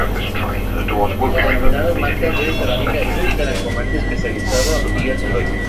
Las denominadas marcas de cerámica indican el comercio especializado y el trueque.